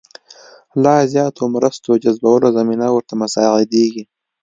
لا زیاتو مرستو جذبولو زمینه ورته مساعدېږي.